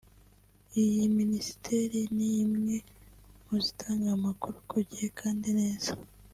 Iyi Minisiteri ni imwe mu zitanga amakuru ku gihe kandi neza